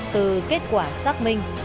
từ kết quả xác minh